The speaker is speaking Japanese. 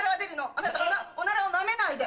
あなたおならをナメないで。